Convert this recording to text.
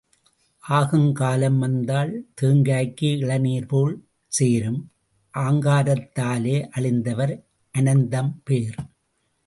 ஆகும் காலம் வந்தால் தேங்காய்க்கு இளநீர் போல் சேரும், ஆங்காரத்தாலே அழிந்தவர் அனந்தம் பேர்.